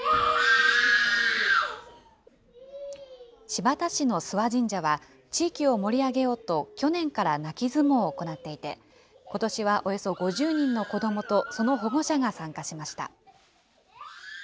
新発田市の諏訪神社は、地域を盛り上げようと去年から泣き相撲を行っていて、ことしはおよそ５０人の子どもと、その保護者が参加しました。